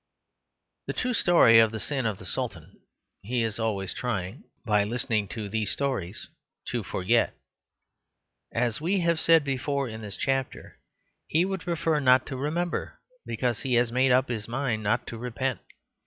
The true story of the sin of the Sultan he is always trying, by listening to these stories, to forget. As we have said before in this chapter, he would prefer not to remember, because he has made up his mind not to repent.